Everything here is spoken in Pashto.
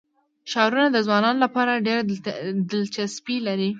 ښارونه د ځوانانو لپاره ډېره دلچسپي لري.